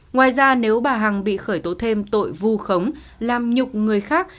ngoài ra nếu bà hằng bị khởi tố thêm tội vu khống làm nhục người khác